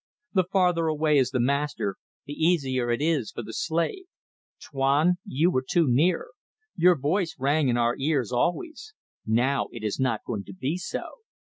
The farther away is the master, the easier it is for the slave, Tuan! You were too near. Your voice rang in our ears always. Now it is not going to be so.